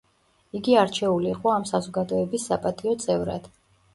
იგი არჩეული იყო ამ საზოგადოების საპატიო წევრად.